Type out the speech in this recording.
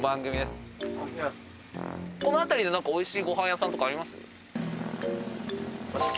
この辺りでおいしいご飯屋さんあります？